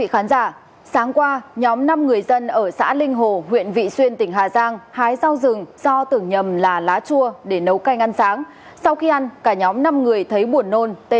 hãy đăng ký kênh để ủng hộ kênh của chúng mình nhé